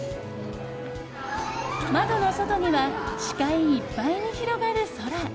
窓の外には視界いっぱいに広がる空。